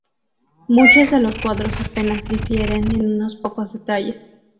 Muchos de los cuadros apenas difieren en unos pocos detalles.